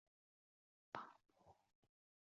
巴伯县是美国西维吉尼亚州北部的一个县。